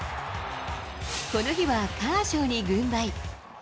この日はカーショウに軍配。